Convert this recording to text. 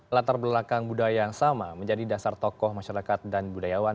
latar belakang budaya yang sama menjadi dasar tokoh masyarakat dan budayawan